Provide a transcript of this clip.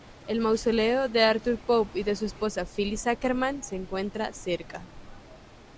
El mausoleo de Arthur Pope y de su esposa Phyllis Ackerman se encuentra cerca.